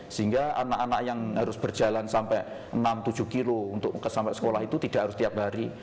sehingga anak anak yang harus berjalan sampai enam tujuh kilo untuk sampai sekolah itu tidak harus tiap hari